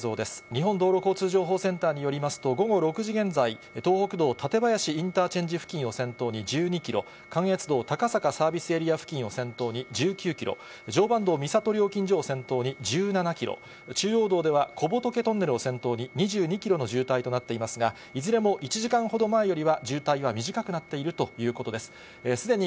日本道路交通情報センターによりますと、午後６時現在、東北道館林インターチェンジ付近を先頭に１２キロ、関越道高坂サービスエリア付近を先頭に１９キロ、常磐道美郷料金所を先頭に１７キロ、中央道では小仏トンネルを先頭に２２キロの渋滞となっていますが、いずれも１時間ほど前よりは渋滞は短くなっているということです。